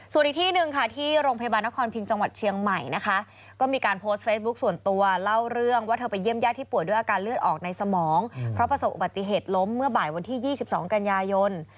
ส่วนอีกที่หนึ่งค่ะที่โรงพยาบาลนครพิงจังหวัดเชียงใหม่นะคะก็มีการโพสต์เฟซบุ๊คส่วนตัวเล่าเรื่องว่าเธอไปเยี่ยมญาติที่ป่วยด้วยอาการเลือดออกในสมองเพราะประสบอุบัติเหตุล้มเมื่อบ่ายวันที่๒๒กันยายน